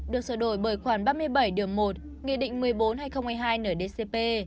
được sở đổi bởi khoảng ba mươi bảy một nghị định một mươi bốn hay hai mươi hai nở dcp